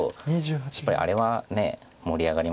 やっぱりあれはねえ盛り上がりますよね。